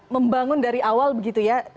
membangun dari awal begitu ya